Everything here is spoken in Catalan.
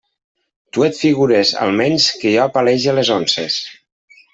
Tu et figures, almenys, que jo palege les onces.